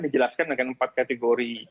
dijelaskan dengan empat kategori